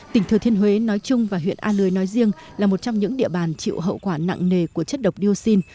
tỉnh thừa thiên huế nói chung và huyện a lưới nói riêng là một trong những địa bàn chịu hậu quả nặng nề của chất độc dioxin